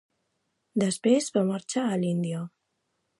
Després va marxar a l'Índia.